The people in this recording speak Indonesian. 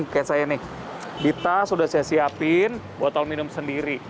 kayak saya nih di tas sudah saya siapin botol minum sendiri